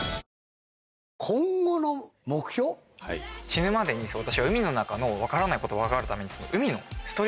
死ぬまでに私は海の中の分からないことを分かるために。